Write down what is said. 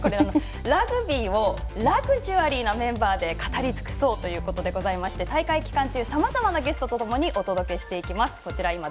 これはラグビーをラグジュアリーなメンバーで語り尽くそうということでございまして大会期間中、さまざまなゲストともにお伝えしていきます。